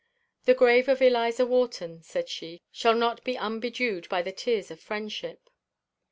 "The grave of Eliza Wharton," said she, "shall not be unbedewed by the tears of friendship."